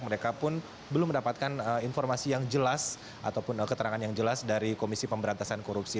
mereka pun belum mendapatkan informasi yang jelas ataupun keterangan yang jelas dari komisi pemberantasan korupsi